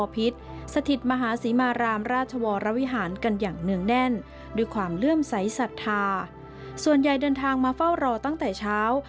พี่เดินทางมาเฝ้ารอตั้งแต่เช้า